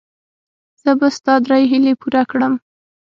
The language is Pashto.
زه به ستا درې هیلې پوره کړم.